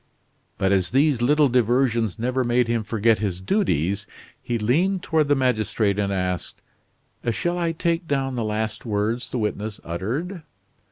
But as these little diversions never made him forget his duties, he leaned toward the magistrate and asked: "Shall I take down the last words the witness uttered?"